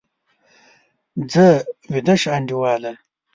ځه، ویده شه انډیواله!